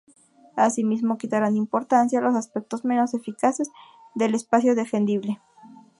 Asimismo quitaron importancia a los aspectos menos eficaces del espacio defendible.